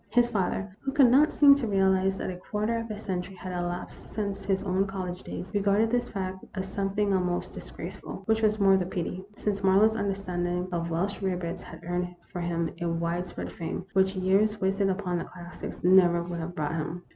His father, who could not seem to realize that a quarter of a century had elapsed since his own college days, regarded this fact as some thing almost disgraceful, which was more the pity, since Marlowe's understanding of Welsh rarebits had earned for him a wide spread fame, which years wasted upon the classics never would have brought him.